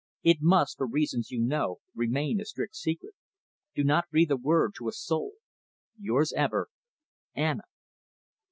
It must, for reasons you know, remain a strict secret. Do not breathe a word to a soul. Yours ever. "Anna."